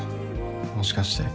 もしかして